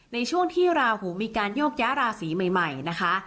ในช่วงที่ราหูมีการโยกย้าราศีใหม่นะคะ